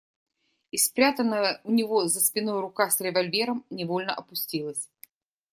И спрятанная у него за спиной рука с револьвером невольно опустилась.